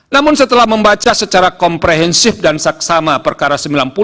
namun setelah membaca secara komprehensif dan saksama perkara sembilan puluh dua ribu dua puluh tiga